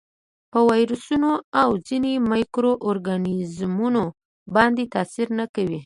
په ویروسونو او ځینو مایکرو ارګانیزمونو باندې تاثیر نه کوي.